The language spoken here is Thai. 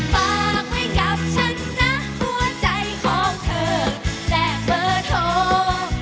ฝากไว้กับฉันนะหัวใจของเธอและเบอร์โทร